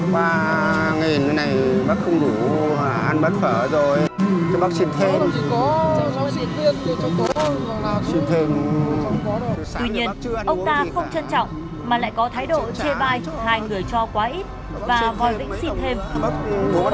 tuy nhiên ông ta không trân trọng mà lại có thái độ chê bai hai người cho quá ít